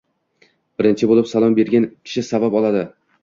Birinchi boʻlib salom bergan kishi savob oladi.